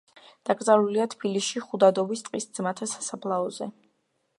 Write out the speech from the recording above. დაკრძალულია თბილისში, ხუდადოვის ტყის ძმათა სასაფლაოზე.